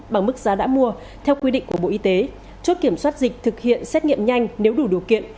bằng mức giá đã mua theo quy định của bộ y tế chốt kiểm soát dịch thực hiện xét nghiệm nhanh nếu đủ điều kiện